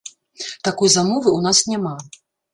Такой замовы ў нас няма.